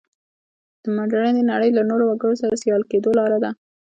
د مډرنې نړۍ له نورو وګړو سره سیال کېدو لاره ده.